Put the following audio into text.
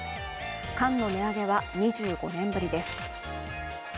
缶の値上げは２５年ぶりです。